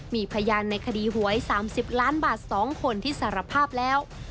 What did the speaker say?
มีพยานในคดีหวย๓๐ล้านบาท๒คนที่สารภาพแล้ว